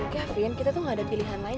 kehafian kita tuh gak ada pilihan lain